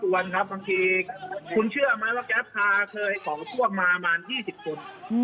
วันครับบางทีคุณเชื่อไหมว่าแก๊ปคาเคยของพวกมาประมาณ๒๐คน